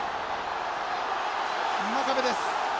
真壁です。